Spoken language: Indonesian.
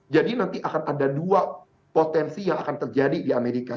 jadi nanti akan ada dua potensi yang akan terjadi di amerika